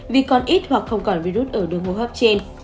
vì còn ít hoặc không còn virus ở đường hô hấp trên